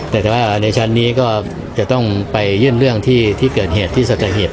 แต่ว่าในชั้นนี้ก็จะต้องไปยื่นเรื่องที่เกิดเหตุที่สัตหีบ